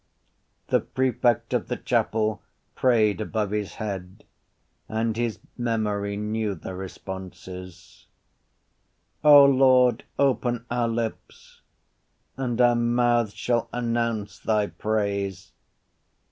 The prefect of the chapel prayed above his head and his memory knew the responses: O Lord, open our lips And our mouths shall announce Thy praise.